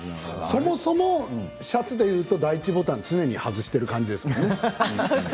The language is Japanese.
そもそもシャツで言うと第１ボタン常に外している感じですよね。